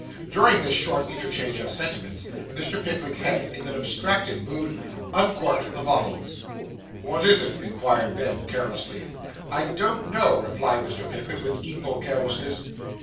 During this short interchange of sentiments, Mr. Pickwick had, in an abstracted mood, uncorked the bottle. 'What is it?' inquired Ben Allen carelessly. 'I don't know,' replied Mr. Pickwick, with equal carelessness.